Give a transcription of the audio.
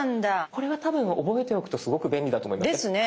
これは多分覚えておくとすごく便利だと思います。ですね。